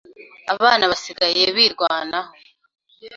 Abana basigaye birwanaho.